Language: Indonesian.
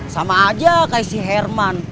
sama aja kayak si herman